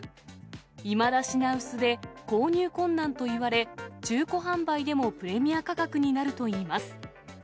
いまだ品薄で、購入困難といわれ、中古販売でもプレミア価格になるといいます。